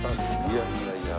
いやいやいや。